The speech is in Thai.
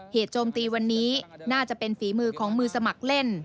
โจมตีวันนี้น่าจะเป็นฝีมือของมือสมัครเล่น